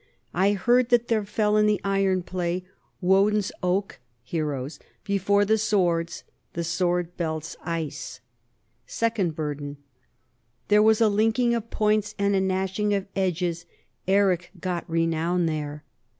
I heard that there fell in the iron play Woden's oak [heroes] before the swords [the sword belt's ice]. Second Burden : There was a linking of points and a gnash ing of edges: Eric got renown there.